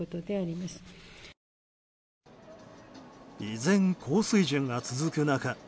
依然、高水準が続く中